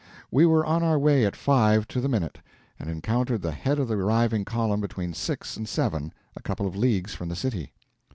We were on our way at five to the minute, and encountered the head of the arriving column between six and seven, a couple of leagues from the city.